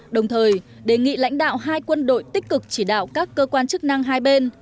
đồng thời đề nghị lãnh đạo hai quân đội tích cực chỉ đạo các cơ quan chức năng hai bên